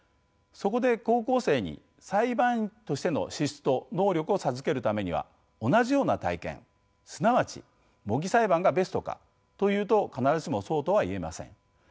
そこで高校生に裁判員としての資質と能力を授けるためには同じような体験すなわち模擬裁判がベストかというと必ずしもそうとは言えません。